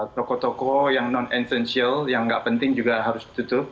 toko toko yang non essential yang nggak penting juga harus ditutup